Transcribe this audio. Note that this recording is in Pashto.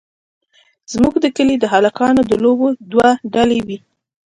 زموږ د کلي د هلکانو د لوبو دوه ډلې وې.